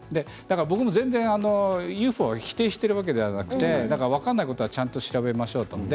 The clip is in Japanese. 僕も全然、ＵＦＯを否定しているわけではなくて分からないことをちゃんと調べましょうと。